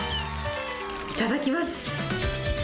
いただきます。